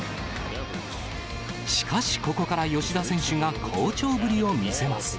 しかしここから吉田選手が好調ぶりを見せます。